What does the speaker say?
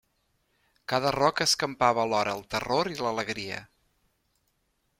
Cada roca escampava alhora el terror i l'alegria.